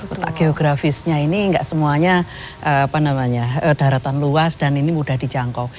otak geografisnya ini tidak semuanya daratan luas dan ini mudah dijangkau